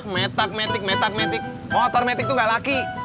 metak metak metak metak